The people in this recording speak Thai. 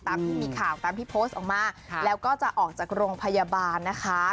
ตามที่มีข่าวตามที่โพสต์ออกมาแล้วก็จะออกจากโรงพยาบาลนะคะ